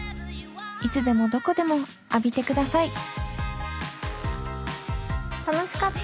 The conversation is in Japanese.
いつでもどこでも浴びてください楽しかった。